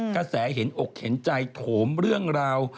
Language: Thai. กระแสเห็นอกเห็นใจโถมเรื่องราว